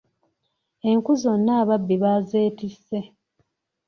Enku zonna ababbi baazeetisse.